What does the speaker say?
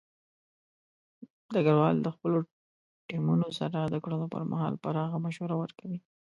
ډګروال د خپلو ټیمونو سره د کړنو پر مهال پراخه مشوره ورکوي.